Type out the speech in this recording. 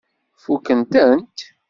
Fukken-tent?